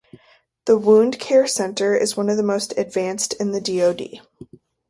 The Wound Care Center is one of the most advanced in the DoD.